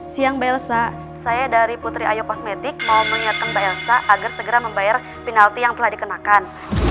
siang mbak elsa saya dari putri ayo kosmetik mau mengingatkan mbak elsa agar segera membayar penalti yang telah dikenakan